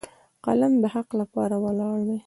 قلم د حق لپاره ولاړ دی